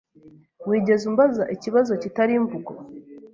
Wigeze umbaza ikibazo kitari imvugo?